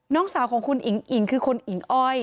น้องสาวของคุณอิ๋งอิ๋งคือคุณอิ๋งอ้อย